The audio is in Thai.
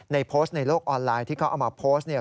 ในโพสต์ในโลกออนไลน์ที่เขาเอามาโพสต์เนี่ย